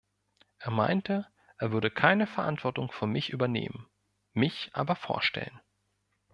Er meinte, er würde keine Verantwortung für mich übernehmen, mich aber vorstellen.